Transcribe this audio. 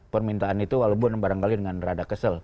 permintaan itu walaupun barangkali dengan rada kesel